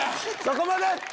そこまで。